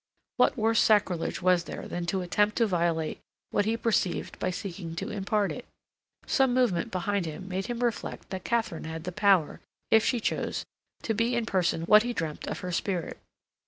What worse sacrilege was there than to attempt to violate what he perceived by seeking to impart it? Some movement behind him made him reflect that Katharine had the power, if she chose, to be in person what he dreamed of her spirit.